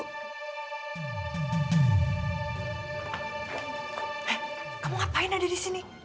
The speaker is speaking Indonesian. eh kamu ngapain ada di sini